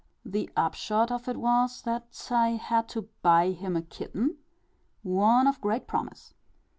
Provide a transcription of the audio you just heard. The upshot of it was, that I had to buy him a kitten one of great promise.